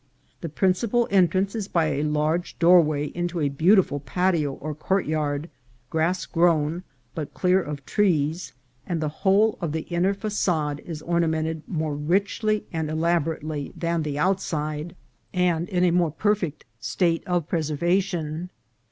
The principal entrance is by a large doorway into a beautiful patio or courtyard, grass grown, but clear of trees, and the whole of the inner facade is ornamented more richly and elaborately than the outside, and in a VOL. II.— 3 H 426 INCIDENTS OF TRAVEL. more perfect state of preservation.